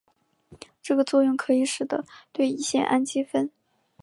这个作用可以使得对乙酰氨基酚。